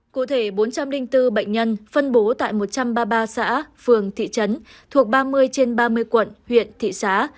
cụ thể bốn trăm linh bốn bệnh nhân phân bố tại một trăm ba mươi ba xã phường thị trấn thuộc ba mươi trên ba mươi quận huyện thị xã